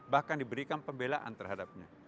bahkan diberikan pembelaan terhadapnya